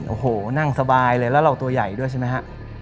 โอ้โหนั่งสบายเลยแล้วเราตัวใหญ่ด้วยใช่ไหมฮะ